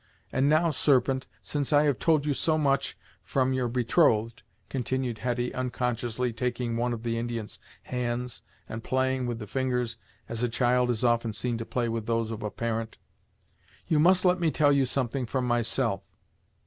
And now, Serpent, since I have told you so much from your betrothed," continued Hetty, unconsciously taking one of the Indian's hands, and playing with the fingers, as a child is often seen to play with those of a parent, "you must let me tell you something from myself.